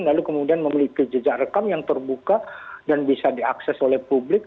lalu kemudian memiliki jejak rekam yang terbuka dan bisa diakses oleh publik